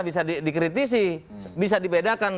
bisa dikritisi bisa dibedakan